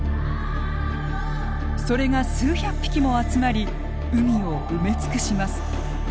それが数百匹も集まり海を埋め尽くします。